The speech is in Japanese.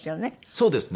そうですね。